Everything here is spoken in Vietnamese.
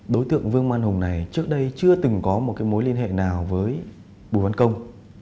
đối tượng vương văn hùng này trước đây chưa từng có một mối liên hệ nào với bùi văn công